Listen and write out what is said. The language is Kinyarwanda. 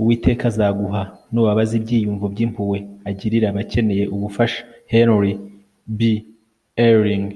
uwiteka azaguha, nubabaza, ibyiyumvo by'impuhwe agirira abakeneye ubufasha. - henry b. eyring